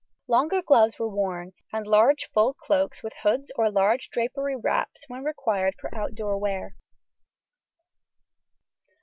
Longer gloves were worn, and large full cloaks with hoods or large drapery wraps when required for outdoor wear.